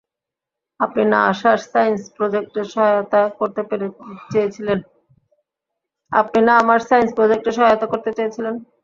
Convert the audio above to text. আপনি না আমার সাইন্স প্রোজেক্টে সাহায়তা করতে চেয়েছিলেন?